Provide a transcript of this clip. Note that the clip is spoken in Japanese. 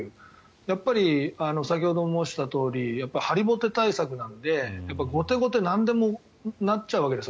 やっぱり、先ほど申したとおり張りぼて対策なので後手後手になんでもなっちゃうわけです。